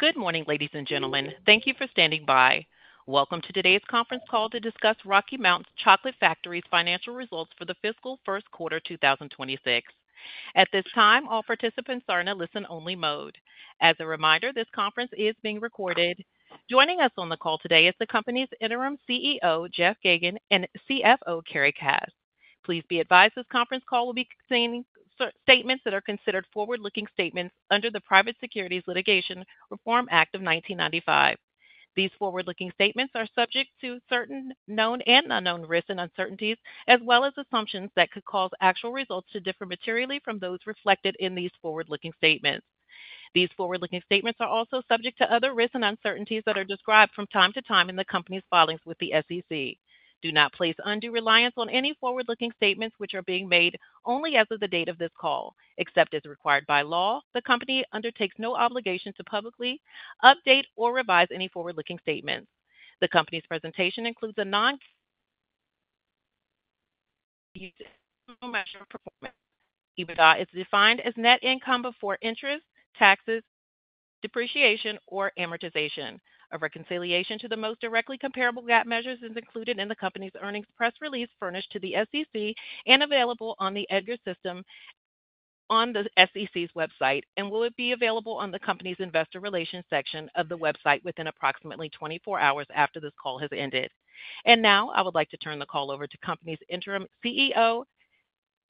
Good morning, ladies and gentlemen. Thank you for standing by. Welcome to today's conference call to discuss Rocky Mountain Chocolate Factory's financial results for the fiscal first quarter 2026. At this time, all participants are in a listen-only mode. As a reminder, this conference is being recorded. Joining us on the call today is the company's Interim CEO, Jeff Geygan, and CFO, Carrie Cass. Please be advised this conference call will be containing statements that are considered forward-looking statements under the Private Securities Litigation Reform Act of 1995. These forward-looking statements are subject to certain known and unknown risks and uncertainties, as well as assumptions that could cause actual results to differ materially from those reflected in these forward-looking statements. These forward-looking statements are also subject to other risks and uncertainties that are described from time to time in the company's filings with the SEC. Do not place undue reliance on any forward-looking statements which are being made only as of the date of this call. Except as required by law, the company undertakes no obligation to publicly update or revise any forward-looking statements. The company's presentation includes a non-GAAP measure of performance. It's defined as net income before interest, taxes, depreciation, or amortization. A reconciliation to the most directly comparable GAAP measures is included in the company's earnings press release furnished to the SEC and available on the EDGAR system on the SEC's website, and will be available on the company's investor relations section of the website within approximately 24 hours after this call has ended. I would like to turn the call over to the company's Interim CEO,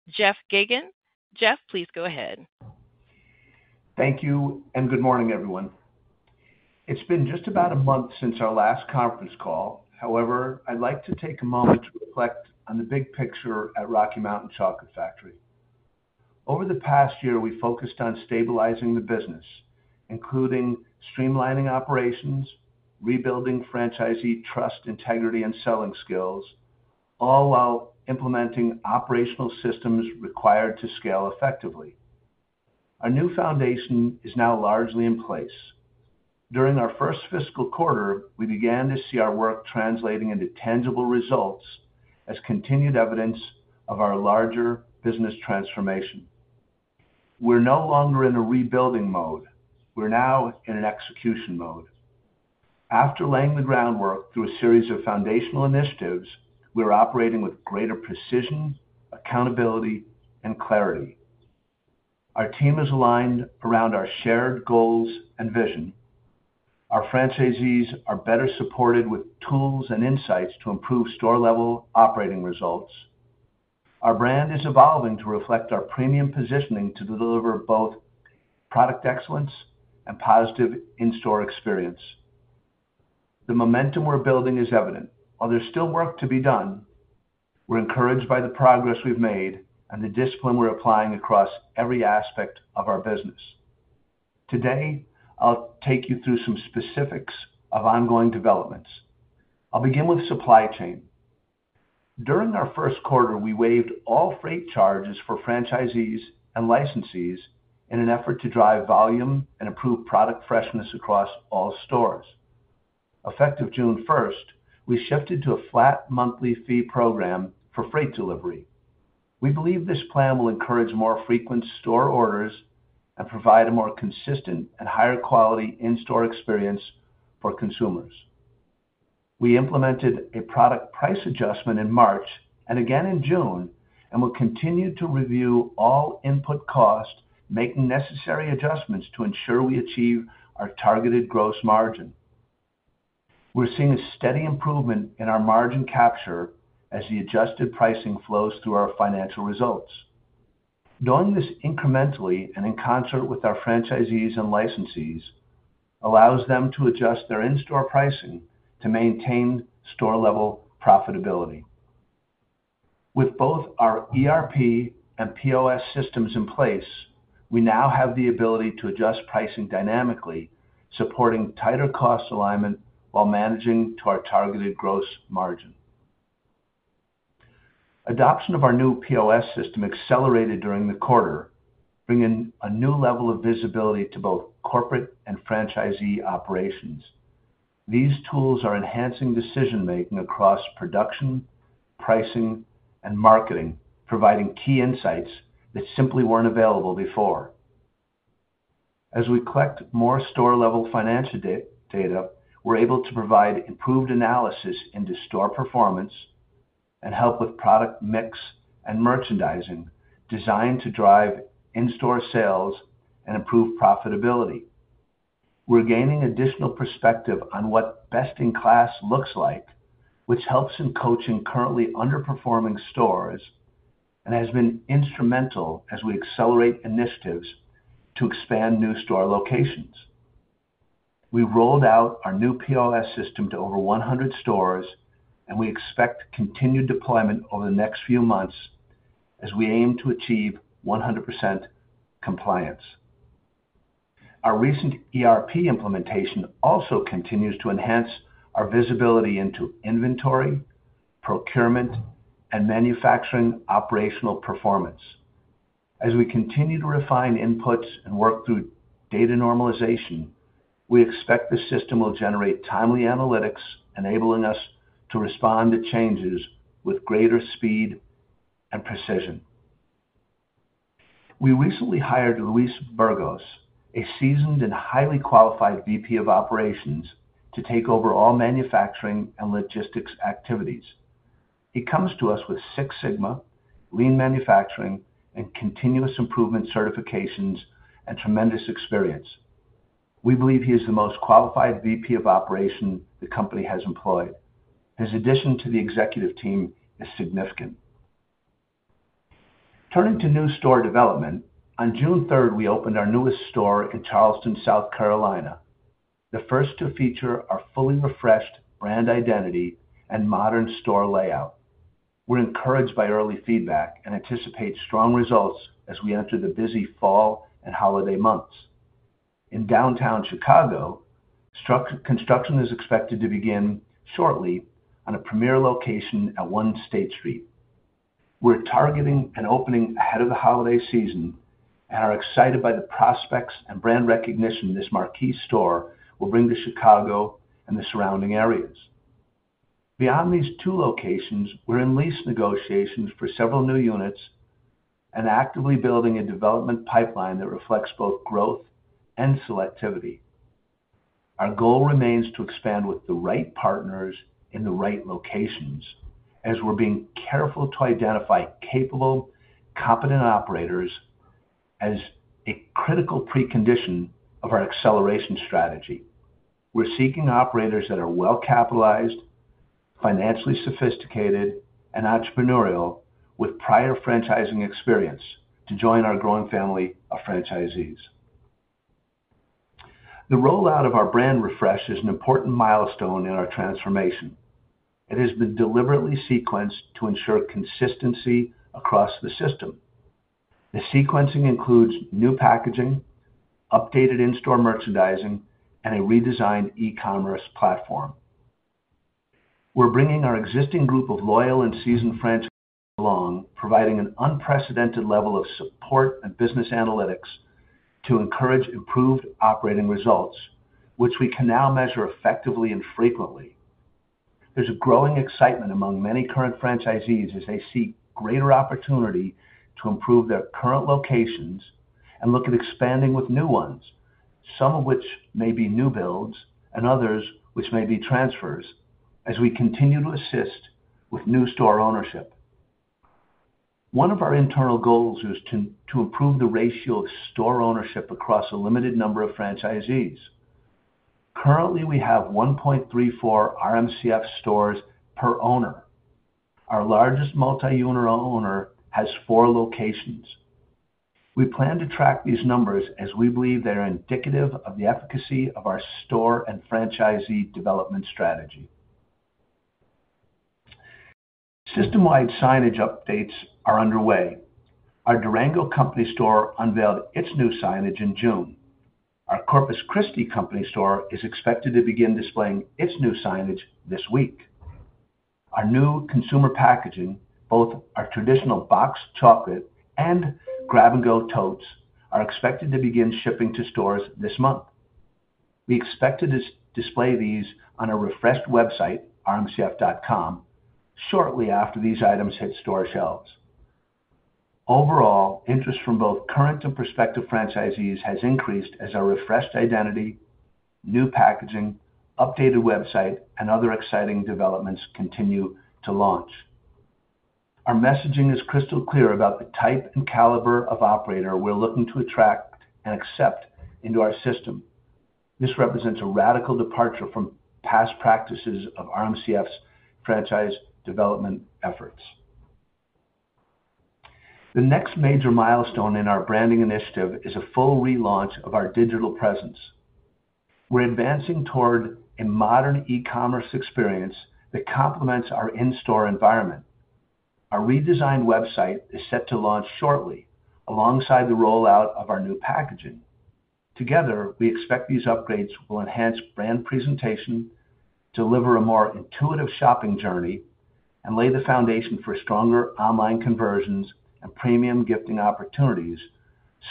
Jeff Geygan. Jeff, please go ahead. Thank you, and good morning, everyone. It's been just about a month since our last conference call. However, I'd like to take a moment to reflect on the big picture at Rocky Mountain Chocolate Factory. Over the past year, we focused on stabilizing the business, including streamlining operations, rebuilding franchisee trust, integrity, and selling skills, all while implementing operational systems required to scale effectively. Our new foundation is now largely in place. During our first fiscal quarter, we began to see our work translating into tangible results as continued evidence of our larger business transformation. We're no longer in a rebuilding mode. We're now in an execution mode. After laying the groundwork through a series of foundational initiatives, we're operating with greater precision, accountability, and clarity. Our team is aligned around our shared goals and vision. Our franchisees are better supported with tools and insights to improve store-level operating results. Our brand is evolving to reflect our premium positioning to deliver both product excellence and positive in-store experience. The momentum we're building is evident. While there's still work to be done, we're encouraged by the progress we've made and the discipline we're applying across every aspect of our business. Today, I'll take you through some specifics of ongoing developments. I'll begin with supply chain. During our first quarter, we waived all freight charges for franchisees and licensees in an effort to drive volume and improve product freshness across all stores. Effective June 1st, we shifted to a flat monthly fee program for freight delivery. We believe this plan will encourage more frequent store orders and provide a more consistent and higher quality in-store experience for consumers. We implemented a product price adjustment in March and again in June and will continue to review all input costs, making necessary adjustments to ensure we achieve our targeted gross margin. We're seeing a steady improvement in our margin capture as the adjusted pricing flows through our financial results. Knowing this incrementally and in concert with our franchisees and licensees allows them to adjust their in-store pricing to maintain store-level profitability. With both our ERP and POS systems in place, we now have the ability to adjust pricing dynamically, supporting tighter cost alignment while managing to our targeted gross margin. Adoption of our new POS system accelerated during the quarter, bringing a new level of visibility to both corporate and franchisee operations. These tools are enhancing decision-making across production, pricing, and marketing, providing key insights that simply weren't available before. As we collect more store-level financial data, we're able to provide improved analysis into store performance and help with product mix and merchandising designed to drive in-store sales and improve profitability. We're gaining additional perspective on what best-in-class looks like, which helps in coaching currently underperforming stores and has been instrumental as we accelerate initiatives to expand new store locations. We rolled out our new POS system to over 100 stores, and we expect continued deployment over the next few months as we aim to achieve 100% compliance. Our recent ERP implementation also continues to enhance our visibility into inventory, procurement, and manufacturing operational performance. As we continue to refine inputs and work through data normalization, we expect the system will generate timely analytics, enabling us to respond to changes with greater speed and precision. We recently hired Luis Burgos, a seasoned and highly qualified VP of Operations, to take over all manufacturing and logistics activities. He comes to us with 6 Sigma, Lean Manufacturing, and Ccontinuous Improvement certifications and tremendous experience. We believe he is the most qualified VP of Operations the company has employed. His addition to the executive team is significant. Turning to new store development, on June 3rd, we opened our newest store in Charleston, South Carolina, the first to feature our fully refreshed brand identity and modern store layout. We're encouraged by early feedback and anticipate strong results as we enter the busy fall and holiday months. In downtown Chicago, construction is expected to begin shortly on a premier location at 1 State Street. We're targeting an opening ahead of the holiday season and are excited by the prospects and brand recognition this marquee store will bring to Chicago and the surrounding areas. Beyond these two locations, we're in lease negotiations for several new units and actively building a development pipeline that reflects both growth and selectivity. Our goal remains to expand with the right partners in the right locations, as we're being careful to identify capable, competent operators as a critical precondition of our acceleration strategy. We're seeking operators that are well-capitalized, financially sophisticated, and entrepreneurial with prior franchising experience to join our growing family of franchisees. The rollout of our brand refresh is an important milestone in our transformation. It has been deliberately sequenced to ensure consistency across the system. The sequencing includes new packaging, updated in-store merchandising, and a redesigned e-commerce platform. We're bringing our existing group of loyal and seasoned franchisees along, providing an unprecedented level of support and business analytics to encourage improved operating results, which we can now measure effectively and frequently. There's a growing excitement among many current franchisees as they see greater opportunity to improve their current locations and look at expanding with new ones, some of which may be new builds and others which may be transfers, as we continue to assist with new store ownership. One of our internal goals is to improve the ratio of store ownership across a limited number of franchisees. Currently, we have 1.34 RMCF stores per owner. Our largest multi-owner owner has four locations. We plan to track these numbers as we believe they are indicative of the efficacy of our store and franchisee development strategy. System-wide signage updates are underway. Our Durango Company Store unveiled its new signage in June. Our Corpus Christi Company Store is expected to begin displaying its new signage this week. Our new consumer packaging, both our traditional boxed chocolates and grab-and-go totes, are expected to begin shipping to stores this month. We expect to display these on our refreshed website, rmcf.com, shortly after these items hit store shelves. Overall, interest from both current and prospective franchisees has increased as our refreshed identity, new packaging, updated website, and other exciting developments continue to launch. Our messaging is crystal clear about the type and caliber of operator we're looking to attract and accept into our system. This represents a radical departure from past practices of RMCF's franchise development efforts. The next major milestone in our branding initiative is a full relaunch of our digital presence. We're advancing toward a modern e-commerce experience that complements our in-store environment. Our redesigned website is set to launch shortly alongside the rollout of our new packaging. Together, we expect these upgrades will enhance brand presentation, deliver a more intuitive shopping journey, and lay the foundation for stronger online conversions and premium gifting opportunities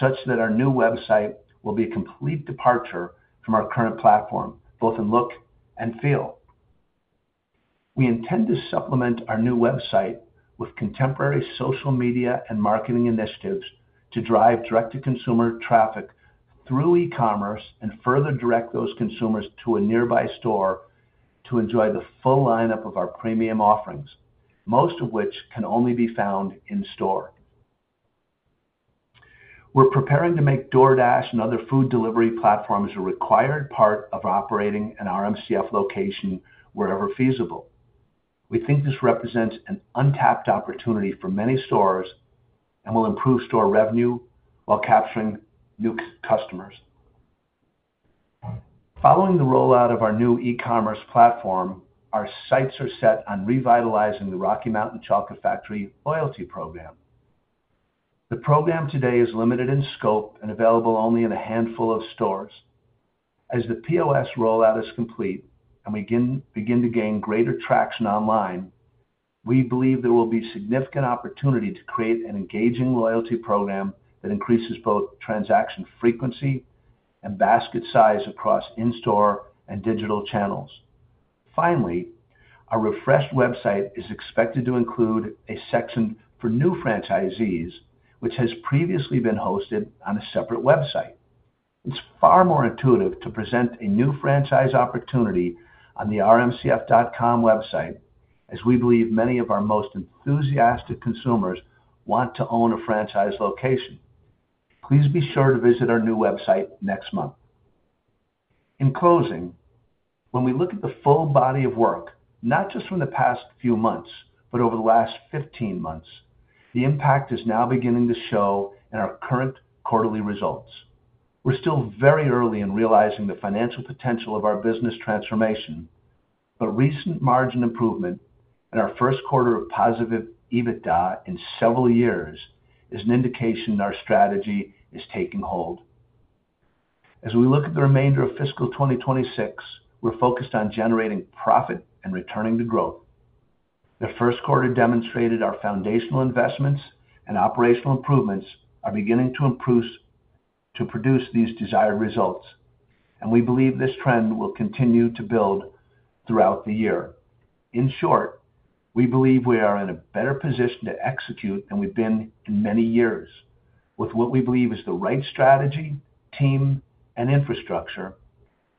such that our new website will be a complete departure from our current platform, both in look and feel. We intend to supplement our new website with contemporary social media and marketing initiatives to drive direct-to-consumer traffic through e-commerce and further direct those consumers to a nearby store to enjoy the full lineup of our premium offerings, most of which can only be found in store. We're preparing to make DoorDash and other food delivery platforms a required part of operating a RMCF location wherever feasible. We think this represents an untapped opportunity for many stores and will improve store revenue while capturing new customers. Following the rollout of our new e-commerce platform, our sights are set on revitalizing the Rocky Mountain Chocolate Factory loyalty program. The program today is limited in scope and available only in a handful of stores. As the POS rollout is complete and we begin to gain greater traction online, we believe there will be significant opportunity to create an engaging loyalty program that increases both transaction frequency and basket size across in-store and digital channels. Finally, our refreshed website is expected to include a section for new franchisees, which has previously been hosted on a separate website. It's far more intuitive to present a new franchise opportunity on the rmcf.com website, as we believe many of our most enthusiastic consumers want to own a franchise location. Please be sure to visit our new website next month. In closing, when we look at the full body of work, not just from the past few months, but over the last 15 months, the impact is now beginning to show in our current quarterly results. We're still very early in realizing the financial potential of our business transformation, but recent margin improvement and our first quarter of positive EBITDA in several years is an indication that our strategy is taking hold. As we look at the remainder of fiscal 2026, we're focused on generating profit and returning to growth. The first quarter demonstrated our foundational investments and operational improvements are beginning to produce these desired results, and we believe this trend will continue to build throughout the year. In short, we believe we are in a better position to execute than we've been in many years. With what we believe is the right strategy, team, and infrastructure,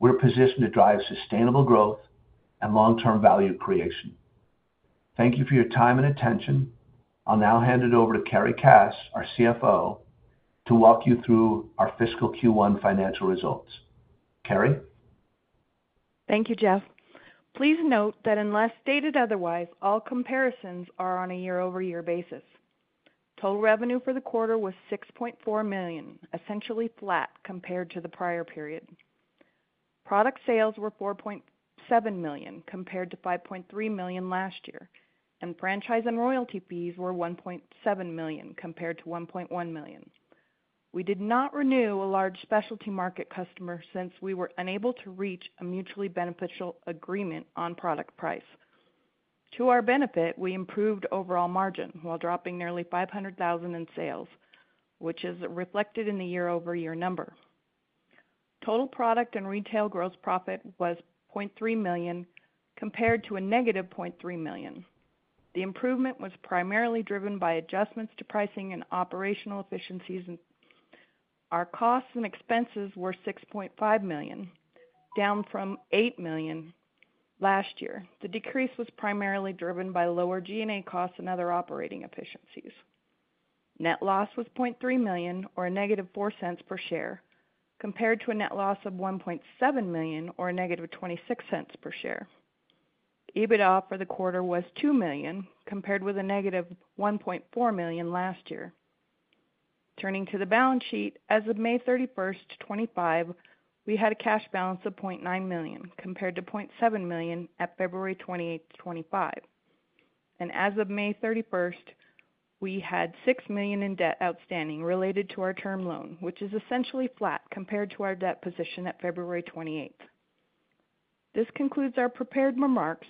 we're positioned to drive sustainable growth and long-term value creation. Thank you for your time and attention. I'll now hand it over to Carrie Cass, our CFO, to walk you through our fiscal Q1 financial results. Carrie? Thank you, Jeff. Please note that unless stated otherwise, all comparisons are on a year-over-year basis. Total revenue for the quarter was $6.4 million, essentially flat compared to the prior period. Product sales were $4.7 million compared to $5.3 million last year, and franchise and royalty fees were $1.7 million compared to $1.1 million. We did not renew a large specialty market customer since we were unable to reach a mutually beneficial agreement on product price. To our benefit, we improved overall margin while dropping nearly $500,000 in sales, which is reflected in the year-over-year number. Total product and retail gross profit was $0.3 million compared to a -$0.3 million. The improvement was primarily driven by adjustments to pricing and operational efficiencies. Our costs and expenses were $6.5 million, down from $8 million last year. The decrease was primarily driven by lower G&A costs and other operating efficiencies. Net loss was $0.3 million, or a -$0.04 per share, compared to a net loss of $1.7 million, or a -$0.26 per share. EBITDA for the quarter was $2 million, compared with a -$1.4 million last year. Turning to the balance sheet, as of May 31st, 2025, we had a cash balance of $0.9 million, compared to $0.7 million at February 28, 2025. As of May 31st, we had $6 million in debt outstanding related to our term loan, which is essentially flat compared to our debt position at February 28. This concludes our prepared remarks.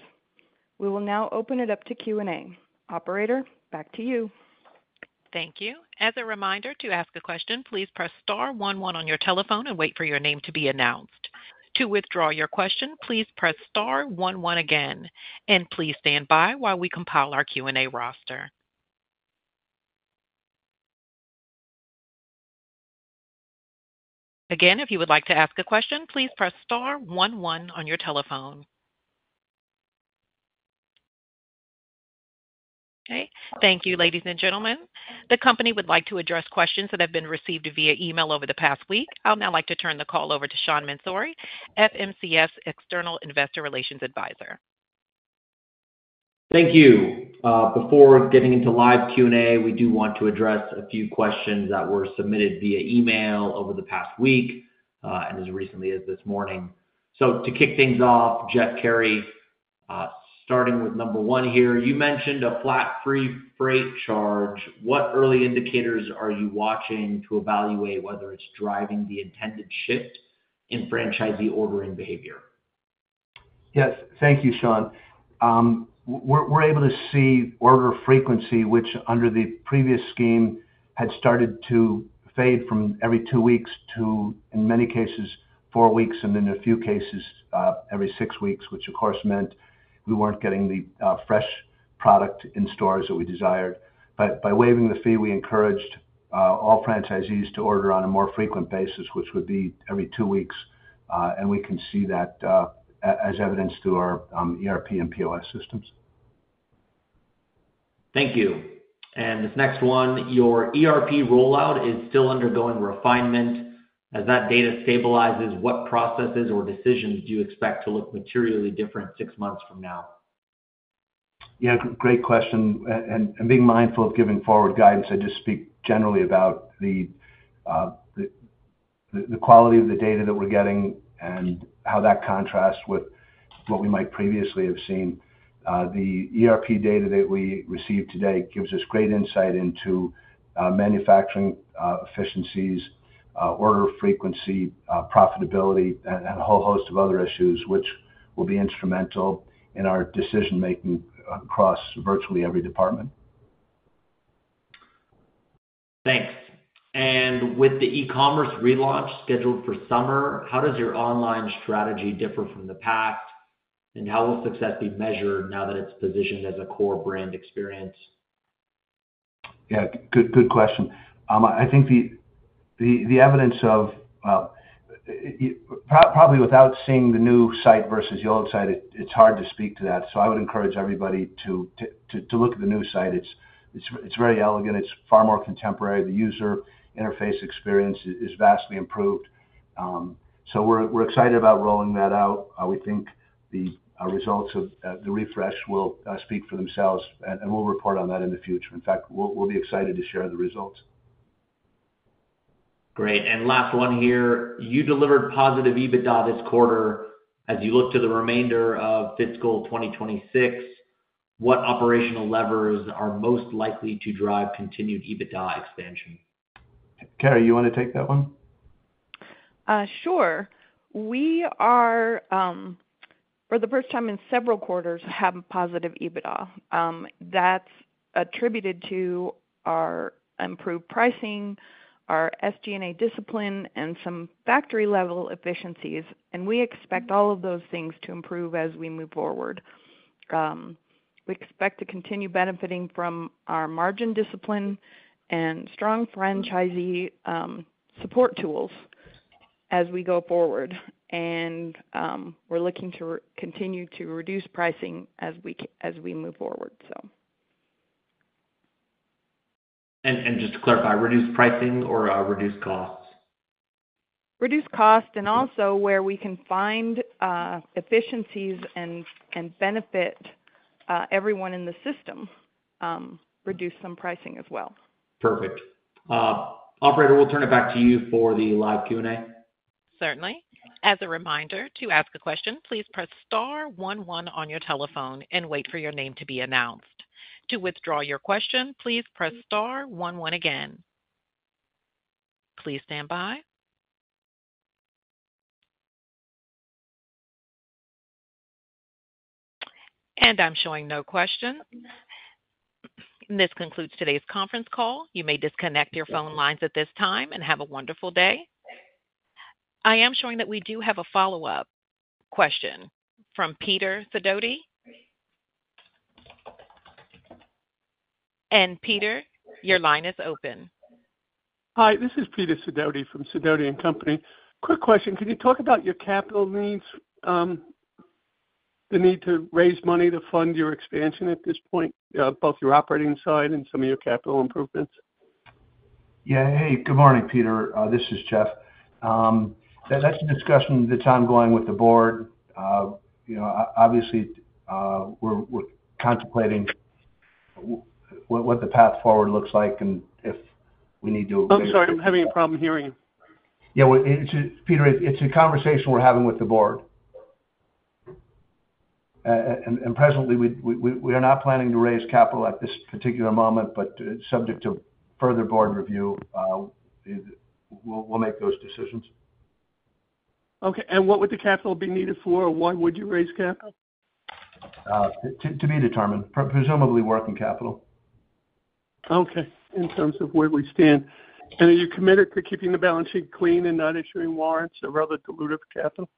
We will now open it up to Q&A. Operator, back to you. Thank you. As a reminder, to ask a question, please press star 11 on your telephone and wait for your name to be announced. To withdraw your question, please press star 11 again, and please stand by while we compile our Q&A roster. Again, if you would like to ask a question, please press star 11 on your telephone. Thank you, ladies and gentlemen. The company would like to address questions that have been received via email over the past week. I'll now like to turn the call over to Sean Mansouri, FMCS External Investor Relations Advisor. Thank you. Before getting into live Q&A, we do want to address a few questions that were submitted via email over the past week and as recently as this morning. To kick things off, Jeff, Carrie, starting with number one here, you mentioned a flat free freight charge. What early indicators are you watching to evaluate whether it's driving the intended shift in franchisee ordering behavior? Yes. Thank you, Sean. We're able to see order frequency, which under the previous scheme had started to fade from every two weeks to, in many cases, four weeks, and in a few cases, every six weeks, which, of course, meant we weren't getting the fresh product in stores that we desired. By waiving the fee, we encouraged all franchisees to order on a more frequent basis, which would be every two weeks, and we can see that as evidenced through our ERP and POS systems. Thank you. Your ERP rollout is still undergoing refinement. As that data stabilizes, what processes or decisions do you expect to look materially different six months from now? Great question. Being mindful of giving forward guidance, I just speak generally about the quality of the data that we're getting and how that contrasts with what we might previously have seen. The ERP data that we received today gives us great insight into manufacturing efficiencies, order frequency, profitability, and a whole host of other issues, which will be instrumental in our decision-making across virtually every department. Thanks. With the e-commerce relaunch scheduled for summer, how does your online strategy differ from the past, and how will success be measured now that it's positioned as a core brand experience? Good question. I think the evidence of, probably without seeing the new site versus the old site, it's hard to speak to that. I would encourage everybody to look at the new site. It's very elegant. It's far more contemporary. The user interface experience is vastly improved. We're excited about rolling that out. We think the results of the refresh will speak for themselves, and we'll report on that in the future. In fact, we'll be excited to share the results. Great. Last one here, you delivered positive EBITDA this quarter. As you look to the remainder of fiscal 2026, what operational levers are most likely to drive continued EBITDA expansion? Carrie, you want to take that one? Sure. We are, for the first time in several quarters, having positive EBITDA. That's attributed to our improved pricing, our SG&A discipline, and some factory-level efficiencies. We expect all of those things to improve as we move forward. We expect to continue benefiting from our margin discipline and strong franchisee support tools as we go forward. We're looking to continue to reduce pricing as we move forward. To clarify, reduce pricing or reduce costs? Reduce cost and also where we can find efficiencies and benefit everyone in the system, reduce some pricing as well. Perfect. Operator, we'll turn it back to you for the live Q&A. Certainly. As a reminder, to ask a question, please press star 11 on your telephone and wait for your name to be announced. To withdraw your question, please press star 11 again. Please stand by. I'm showing no question. This concludes today's conference call. You may disconnect your phone lines at this time and have a wonderful day. I am showing that we do have a follow-up question from Peter Sidoti. Peter, your line is open. Hi. This is Peter Sidoti from Sidoti & Company. Quick question. Can you talk about your capital needs, the need to raise money to fund your expansion at this point, both your operating side and some of your capital improvements? Yeah. Good morning, Peter. This is Jeff. That's a discussion that's ongoing with the board. Obviously, we're contemplating what the path forward looks like and if we need to. I'm sorry, I'm having a problem hearing you. Peter, it's a conversation we're having with the board. Presently, we are not planning to raise capital at this particular moment, but subject to further board review, we'll make those decisions. What would the capital be needed for, or why would you raise capital? To be determined. Presumably, working capital. Okay. In terms of where we stand, are you committed to keeping the balance sheet clean and not issuing warrants or other dilutive capital?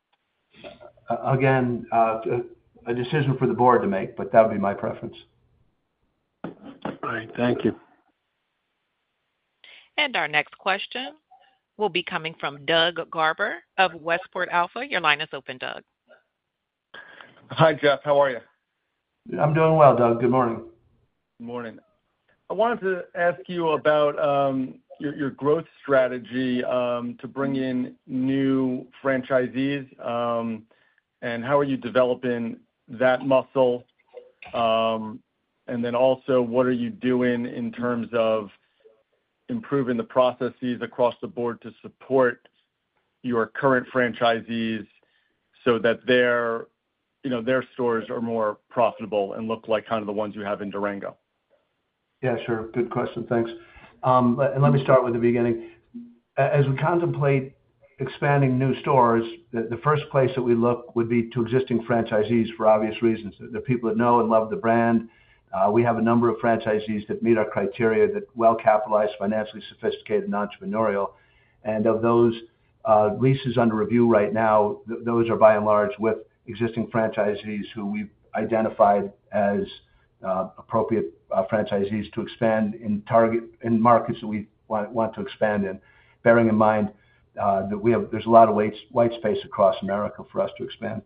Again, a decision for the Board to make, but that would be my preference. All right, thank you. Our next question will be coming from Doug Garber of Westport Alpha. Your line is open, Doug. Hi, Jeff. How are you? I'm doing well, Doug. Good morning. Morning. I wanted to ask you about your growth strategy to bring in new franchisees and how are you developing that muscle. What are you doing in terms of improving the processes across the board to support your current franchisees so that their stores are more profitable and look like kind of the ones you have in Durango? Yeah, sure. Good question. Thanks. Let me start with the beginning. As we contemplate expanding new stores, the first place that we look would be to existing franchisees for obvious reasons. They're people that know and love the brand. We have a number of franchisees that meet our criteria that are well-capitalized, financially sophisticated, and entrepreneurial. Of those leases under review right now, those are by and large with existing franchisees who we've identified as appropriate franchisees to expand in markets that we want to expand in, bearing in mind that there's a lot of white space across America for us to expand,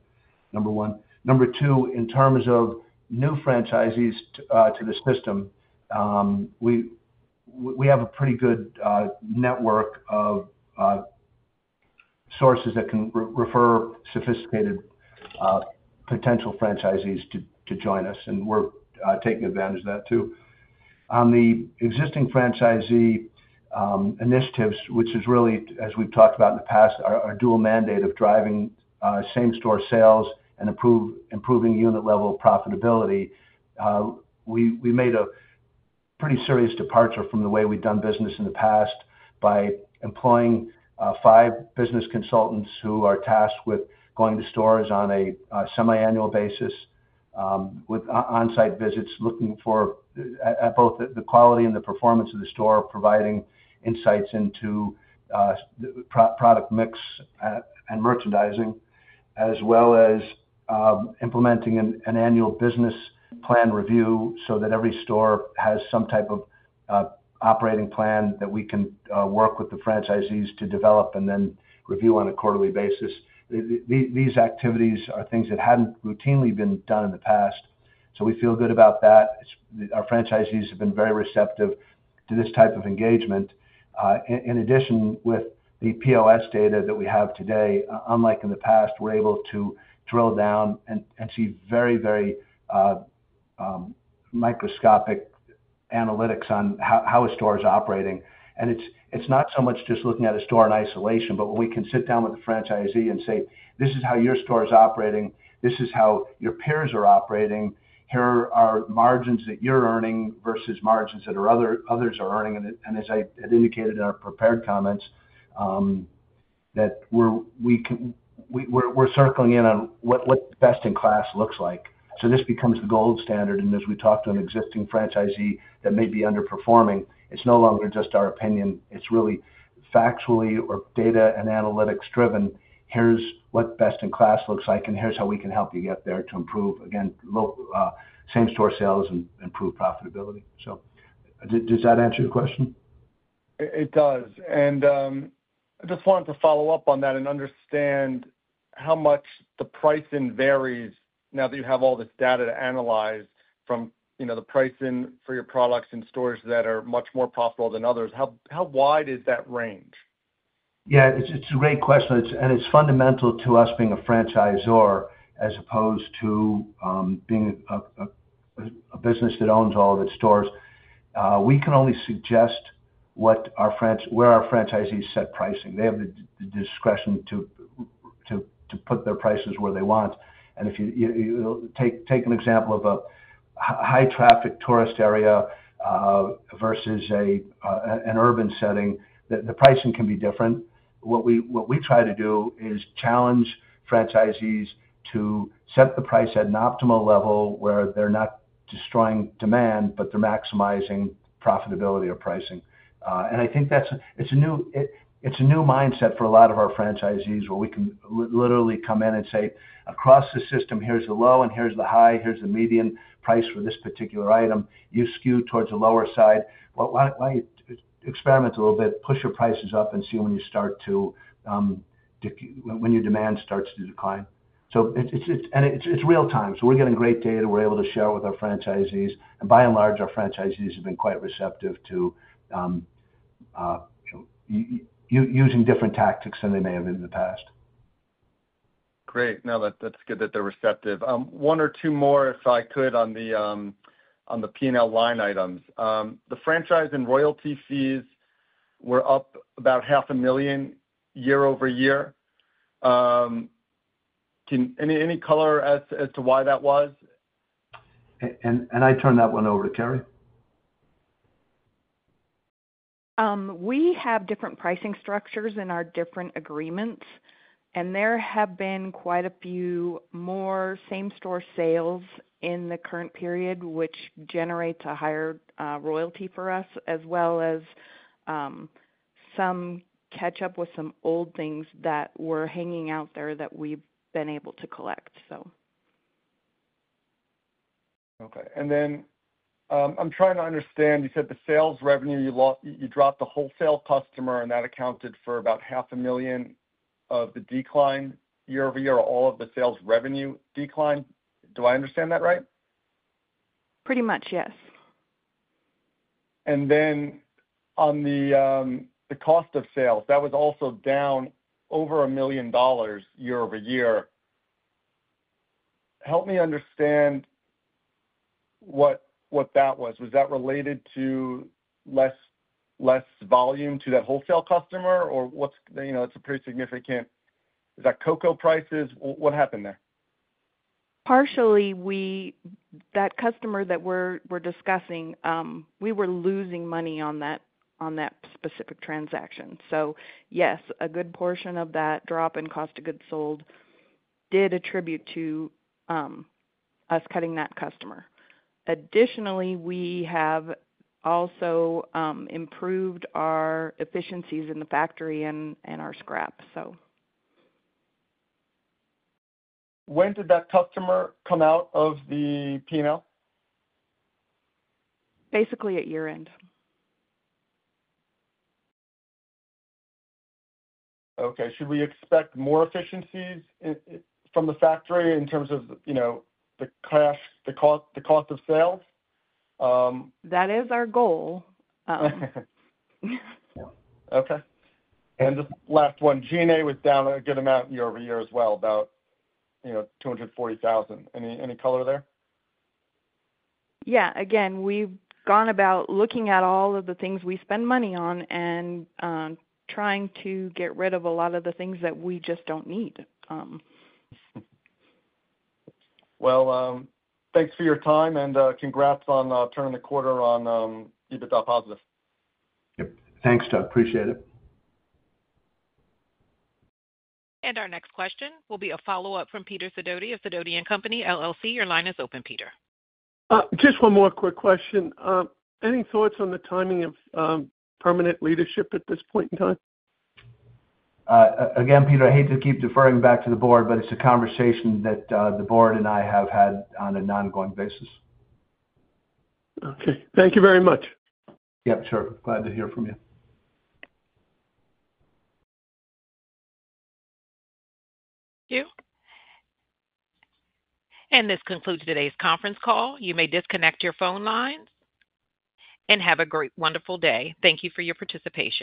number one. Number two, in terms of new franchisees to the system, we have a pretty good network of sources that can refer sophisticated potential franchisees to join us, and we're taking advantage of that too. On the existing franchisee initiatives, which is really, as we've talked about in the past, our dual mandate of driving same-store sales and improving unit-level profitability, we made a pretty serious departure from the way we've done business in the past by employing five business consultants who are tasked with going to stores on a semi-annual basis with onsite visits looking for both the quality and the performance of the store, providing insights into the product mix and merchandising, as well as implementing an annual business plan review so that every store has some type of operating plan that we can work with the franchisees to develop and then review on a quarterly basis. These activities are things that hadn't routinely been done in the past, so we feel good about that. Our franchisees have been very receptive to this type of engagement. In addition, with the POS data that we have today, unlike in the past, we're able to drill down and see very, very microscopic analytics on how a store is operating. It's not so much just looking at a store in isolation, but when we can sit down with the franchisee and say, "This is how your store is operating. This is how your peers are operating. Here are margins that you're earning versus margins that others are earning." As I had indicated in our prepared comments, we're circling in on what the best-in-class looks like. This becomes the gold standard. As we talk to an existing franchisee that may be underperforming, it's no longer just our opinion. It's really factually or data and analytics-driven. Here's what best-in-class looks like, and here's how we can help you get there to improve, again, same-store sales and improve profitability. Does that answer your question? It does. I just wanted to follow up on that and understand how much the pricing varies now that you have all this data to analyze from the pricing for your products in stores that are much more profitable than others. How wide is that range? Yeah, it's a great question. It's fundamental to us being a franchisor as opposed to being a business that owns all of its stores. We can only suggest where our franchisees set pricing. They have the discretion to put their prices where they want. If you take an example of a high-traffic tourist area versus an urban setting, the pricing can be different. What we try to do is challenge franchisees to set the price at an optimal level where they're not destroying demand, but they're maximizing profitability or pricing. I think it's a new mindset for a lot of our franchisees where we can literally come in and say, "Across the system, here's the low and here's the high. Here's the median price for this particular item. You skew towards the lower side. Why don't you experiment a little bit, push your prices up, and see when your demand starts to decline?" It's real-time. We're getting great data. We're able to share with our franchisees, and by and large, our franchisees have been quite receptive to using different tactics than they may have in the past. Great. No, that's good that they're receptive. One or two more, if I could, on the P&L line items. The franchise and royalty fees were up about $0.5 million year-over-year. Any color as to why that was? I turn that one over to Carrie. We have different pricing structures in our different agreements. There have been quite a few more same-store sales in the current period, which generates a higher royalty for us, as well as some catch-up with some old things that were hanging out there that we've been able to collect. Okay. I'm trying to understand. You said the sales revenue, you dropped the wholesale customer, and that accounted for about $0.5 million of the decline year over year, all of the sales revenue decline. Do I understand that right? Pretty much, yes. On the cost of sales, that was also down over $1 million year-over-year. Help me understand what that was. Was that related to less volume to that wholesale customer, or was it a pretty significant change in cocoa prices? What happened there? Partially, that customer that we're discussing, we were losing money on that specific transaction. Yes, a good portion of that drop in cost of goods sold did attribute to us cutting that customer. Additionally, we have also improved our efficiencies in the factory and our scrap. When did that customer come out of the P&L? Basically, at year-end. Okay. Should we expect more efficiencies from the factory in terms of the cost of sales? That is our goal. Okay. Just last one, G&A was down a good amount year over year as well, about $240,000. Any color there? Yeah, we've gone about looking at all of the things we spend money on and trying to get rid of a lot of the things that we just don't need. Thank you for your time, and congrats on turning the quarter on EBITDA positive. Thanks, Jeff. Appreciate it. Our next question will be a follow-up from Peter Sidoti of Sidoti & Company. Your line is open, Peter. Just one more quick question. Any thoughts on the timing of permanent leadership at this point in time? Again, Peter, I hate to keep deferring back to the board, but it's a conversation that the board and I have had on an ongoing basis. Okay, thank you very much. Yep, sure. Glad to hear from you. Thank you. This concludes today's conference call. You may disconnect your phone lines and have a great, wonderful day. Thank you for your participation.